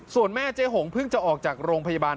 ส่วนแม่เจ๊หงเพิ่งจะออกจากโรงพยาบาล